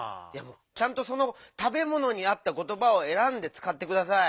ちゃんとそのたべものにあったことばをえらんでつかってください。